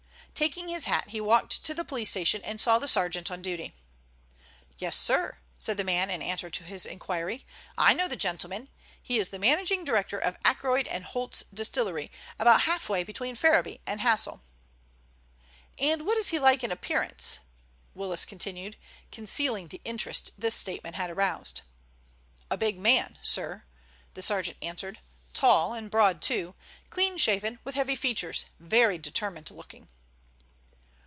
Taking his hat he walked to the police station and saw the sergeant on duty. "Yes, sir," said the man in answer to his inquiry. "I know the gentleman. He is the managing director of Ackroyd and Holt's distillery, about half way between Ferriby and Hassle." "And what is he like in appearance?" Willis continued, concealing the interest this statement had aroused. "A big man, sir," the sergeant answered. "Tall, and broad too. Clean shaven, with heavy features, very determined looking."